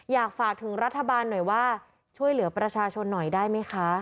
อยากฝากถึงรัฐบาลหน่อยว่าช่วยเหลือประชาชนหน่อยได้ไหมคะ